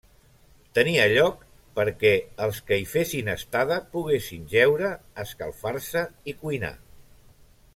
Tenia lloc perquè els que hi fessin estada poguessin jeure, escalfar-se i cuinar.